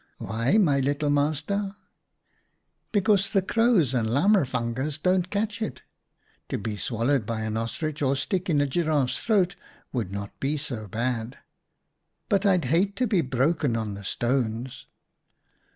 " Why, my little master?" " Because the Crows and Lammervangers don't catch it. To be swallowed by an ostrich or stick in a giraffe's throat would not be so bad, but I'd hate to be broken on the stones."